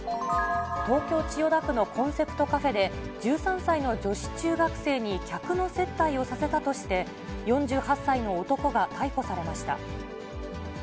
東京・千代田区のコンセプトカフェで、１３歳の女子中学生に客の接待をさせたとして、４８歳の男が逮捕されました。